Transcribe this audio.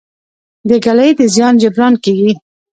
د ږلۍ د زیان جبران کیږي؟